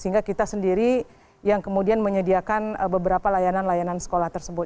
sehingga kita sendiri yang kemudian menyediakan beberapa layanan layanan sekolah tersebut